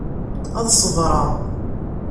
Ad ṣebreɣ.